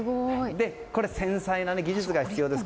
これ、繊細な技術が必要です。